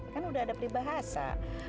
kan udah ada peribahasa